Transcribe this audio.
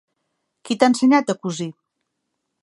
Qui t'ha ensenyat de cosir?